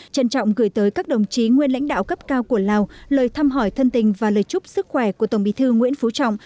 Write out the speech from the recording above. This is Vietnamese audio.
trân trọng gửi tới các đồng chí nguyên lãnh đạo cấp cao của lào lời thăm hỏi thân tình và lời chúc sức khỏe của tổng bí thư nguyễn phú trọng